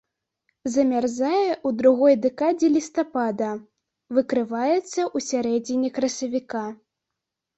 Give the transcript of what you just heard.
Замярзае ў другой дэкадзе лістапада, выкрываецца ў сярэдзіне красавіка.